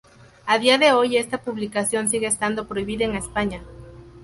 A día de hoy esta publicación sigue estando prohibida en España.